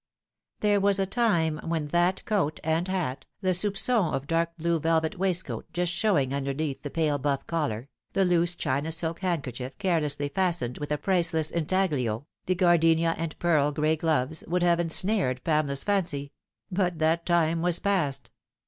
There was a time when that coat and hat, the toupqon of dark blue velvet waistcoat just showing underneath the pale buff collar, the loose China silk handkerchief carelessly fastened with a priceless intaglio, the gardenia and pearl gray gloves, would have ensnared Pamela's fancy : but that time was past.